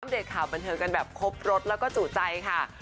เดตข่าวบันเทิงกันแบบครบรถแล้วก็จุใจค่ะ